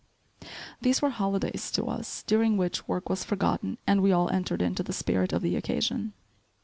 These were holidays to us, during which work was forgotten and we all entered into the spirit of the occasion.